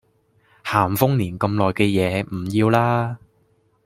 咸豐年咁耐嘅嘢唔要喇